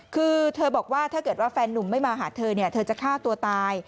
คือเธอบอกว่าถ้าเกิดว่าแฟนนุ่มไม่มาหาเธอเนี่ยเธอจะฆ่าตัวตาย